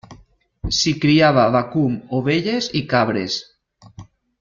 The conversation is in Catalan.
S'hi criava vacum, ovelles i cabres.